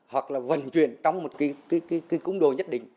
hoặc là vận chuyển trong một cái cung đồ nhất định